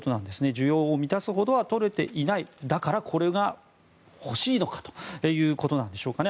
需要を満たすほどはとれていないだからこれが欲しいということでしょうかね。